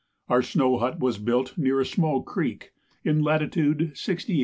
Our snow hut was built near a small creek, in latitude 68° 58' N.